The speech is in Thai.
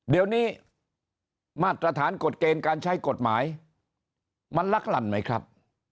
เดี๋ยวนี้มาตรฐานกฎเกณฑ์การใช้กฎหมายมันลักหลั่นไหมครับ